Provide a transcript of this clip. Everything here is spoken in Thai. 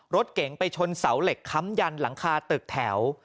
รถเก๋งไปชนเสาเหล็กค้ำยันหลังคาตึกแถว